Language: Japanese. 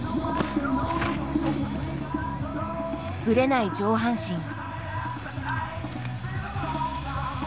ぶれない上半身。